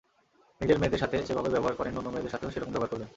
নিজের মেয়ের সাথে যেভাবে ব্যবহার করেন অন্য মেয়েদের সাথেও সেরকম ব্যবহার করবেন।